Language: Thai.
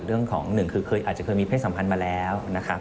เรื่องของ๑คืออาจจะเคยมีเพศสัมพันธ์มาแล้ว